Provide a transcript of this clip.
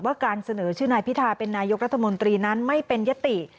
การเสนอชื่อนายพิธาเป็นนายกรัฐมนตรีนั้นไม่เป็นยติ